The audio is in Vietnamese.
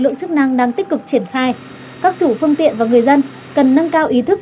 lượng chức năng đang tích cực triển khai các chủ phương tiện và người dân cần nâng cao ý thức